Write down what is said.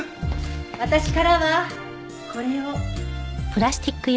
私からはこれを。